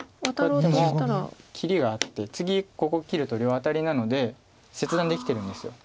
こうやっても切りがあって次ここ切ると両アタリなので切断できてるんです。